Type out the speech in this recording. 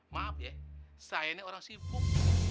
maaf ya saya ini orang sibuk